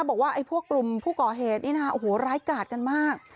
บอกว่าไอ้พวกกลุ่มผู้ก่อเหตุนี่นะคะโอ้โหร้ายกาดกันมาก